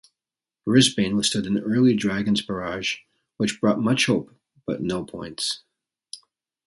Brisbane withstood an early Dragons barrage which brought much hope but no points.